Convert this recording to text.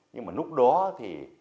nhưng mà lúc đó thì